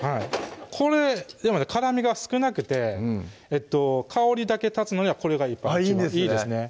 これ辛みが少なくて香りだけ立つのにはこれが一番いいですね